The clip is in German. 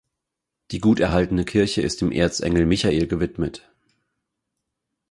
Die gut erhaltene Kirche ist dem Erzengel Michael gewidmet.